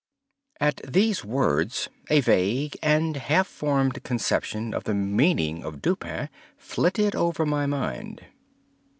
At these words a vague and half formed conception of the meaning of Dupin flitted over my mind.